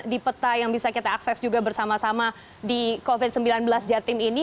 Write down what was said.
di peta yang bisa kita akses juga bersama sama di covid sembilan belas jatim ini